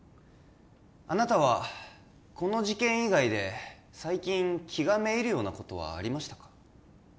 あなたはこの事件以外で最近気がめいるようなことはありましたか？